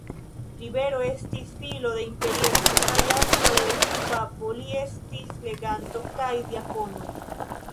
Libero estis filo de imperiestro kaj antaŭ esti papo, li estis leganto kaj diakono.